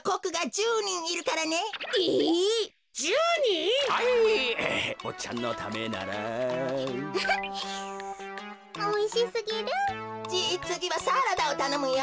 じいつぎはサラダをたのむよ。